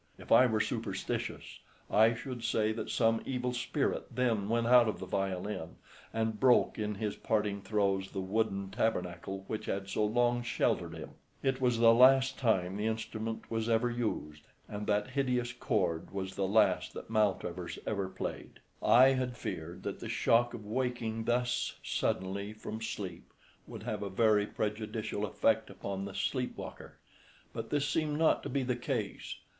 If I were superstitious I should say that some evil spirit then went out of the violin, and broke in his parting throes the wooden tabernacle which had so long sheltered him. It was the last time the instrument was ever used, and that hideous chord was the last that Maltravers ever played. I had feared that the shock of waking thus suddenly from sleep would have a very prejudicial effect upon the sleep walker, but this seemed not to be the case.